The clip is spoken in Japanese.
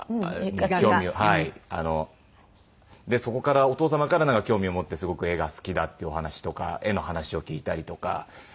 そこからお父様からなんか興味を持ってすごく絵が好きだっていうお話とか絵の話を聞いたりとか。